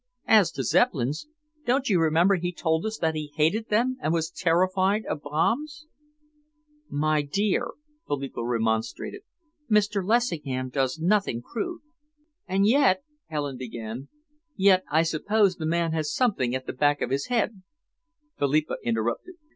As to Zeppelins, don't you remember he told us that he hated them and was terrified of bombs." "My dear," Philippa remonstrated, "Mr. Lessingham does nothing crude." "And yet, " Helen began. "Yet I suppose the man has something at the back of his head," Philippa interrupted.